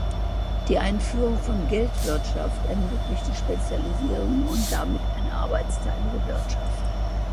Die Einführung von "Geldwirtschaft" ermöglichte Spezialisierungen und damit eine arbeitsteilige Wirtschaft.